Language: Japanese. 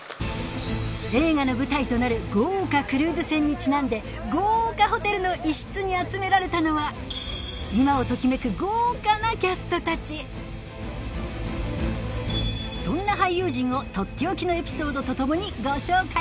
映画の舞台となるにちなんで豪華ホテルの一室に集められたのは今をときめく豪華なキャストたちそんな俳優陣をとっておきのエピソードとともにご紹介